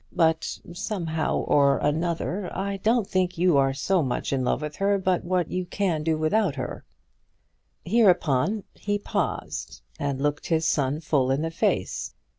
But, somehow or another, I don't think you are so much in love with her but what you can do without her." Hereupon he paused and looked his son full in the face.